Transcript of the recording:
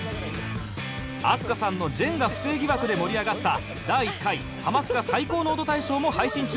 飛鳥さんのジェンガ不正疑惑で盛り上がった第１回ハマスカ最高の音大賞も配信中